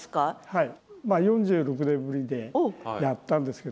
はい。